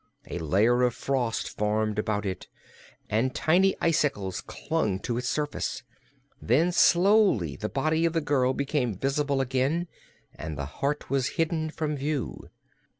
A layer of frost formed about it and tiny icicles clung to its surface. Then slowly the body of the girl became visible again and the heart was hidden from view.